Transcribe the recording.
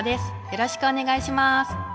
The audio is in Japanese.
よろしくお願いします。